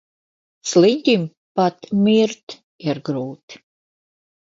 Sliņķim pat mirt ir grūti.